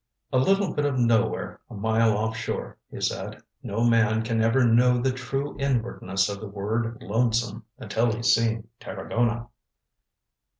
"A little bit of nowhere a mile off shore," he said. "No man can ever know the true inwardness of the word lonesome until he's seen Tarragona."